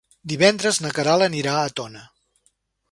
Divendres na Queralt anirà a Tona.